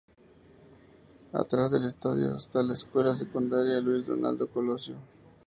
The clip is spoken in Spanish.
Atrás del estadio está la escuela secundaria Luis Donaldo Colosio.